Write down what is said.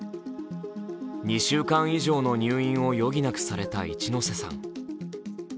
２週間以上の入院を余儀なくされたいちのせさん。